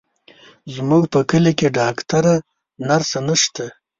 زموږ په کلي کې ډاکتره، نرسه نشته،